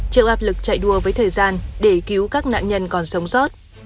chịu áp lực chạy đua với thời gian để cứu các nạn nhân còn sống sót